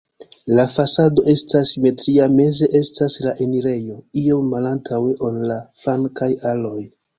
La fasado estas simetria, meze estas la enirejo iom malantaŭe, ol la flankaj aloj.